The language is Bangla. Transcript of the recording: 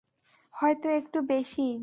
হয়তো একটু বেশিই।